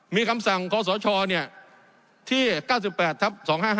มีคำสั่งคศที่๙๘ทับ๒๕๕